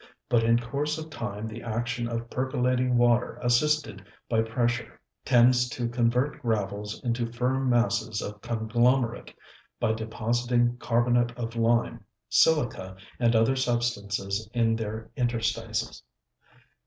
But in course of time the action of percolating water assisted by pressure tends to convert gravels into firm masses of conglomerate by depositing carbonate of lime, silica and other substances in their interstices.